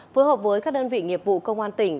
phối hợp với các đơn vị nghiệp vụ công an tỉnh